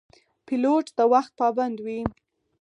پیلوټ د وخت پابند وي.